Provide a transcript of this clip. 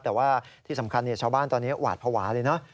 แต่ว่าที่สำคัญเนี่ยชาวบ้านตอนนี้หวาดพวาเลยเนอะ